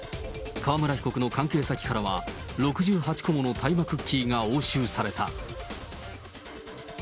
川村被告の関係先からは、６８個もの大麻クッキーが押収された。